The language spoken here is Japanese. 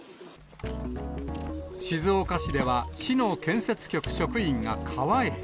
静岡市では、市の建設局職員が川へ。